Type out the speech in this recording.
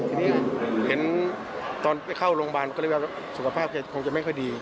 ทีนี้เห็นว่าตอนไปเข้าโรงพยาบาลศึกภาพจะไม่ค่อยดี